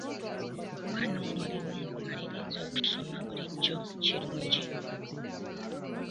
Okuba n'omulimu ng'omalirizza okusoma bulijjo kirungi.